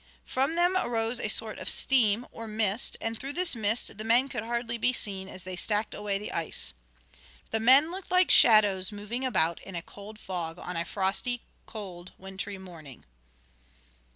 From them arose a sort of steam, or mist, and through this mist the men could hardly be seen as they stacked away the ice. The men looked like shadows moving about in a cold fog on a frosty, cold, wintry morning.